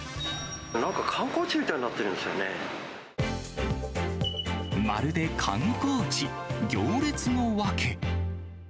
なんか観光地みたいになってまるで観光地、行列のワケ。